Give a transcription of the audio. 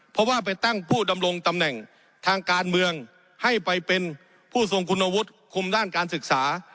เพราะว่าไปตั้งผู้ดำรงตำแหน่งทางการเมืองให้ไปเป็นผู้ทรงคุณวุฒิคุมด้านการศึกษา